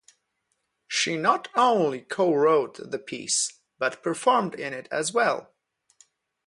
She not only co-wrote the piece, but performed in it as well.